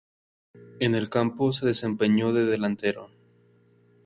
En el campo se desempeñó de delantero.